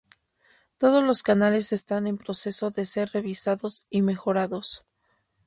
Todos los canales están en proceso de ser revisados y "mejorados".